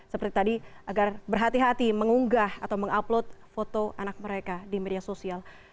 seperti tadi agar berhati hati mengunggah atau mengupload foto anak mereka di media sosial